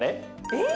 えっ？